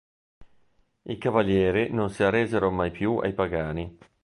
I cavalieri non si arresero mai più ai pagani.